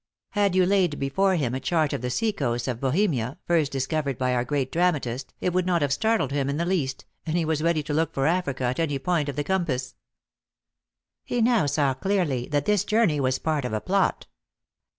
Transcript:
Had you laid before him a chart of the sea coast ot Bo hemia, first discovered by our great dramatist, it would not have startled him in the least, and he was ready to look for Africa at any point of the com pass. He now saw clearly that this journey was part of a plot.